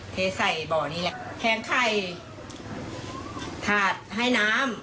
เทใส่บ่อนี้แหละแทงไข่ถาดให้น้ำ